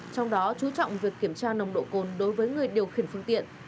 trong đó chú trọng việc kiểm tra nồng độ cồn đối với người điều khiển phương tiện